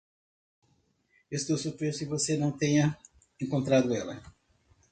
Estou surpreso que você não tenha encontrado ela.